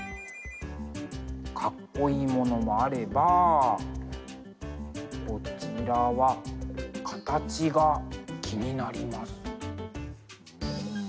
かっこいいものもあればこちらは形が気になります。